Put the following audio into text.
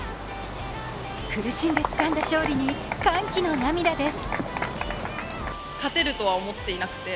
苦しんでつかんだ勝利に歓喜の涙です。